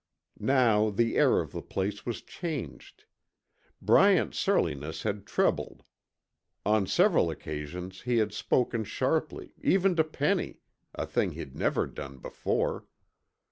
Now the air of the place was changed. Bryant's surliness had trebled. On several occasions he had spoken sharply, even to Penny a thing he'd never done before.